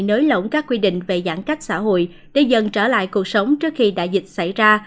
nới lỏng các quy định về giãn cách xã hội để dần trở lại cuộc sống trước khi đại dịch xảy ra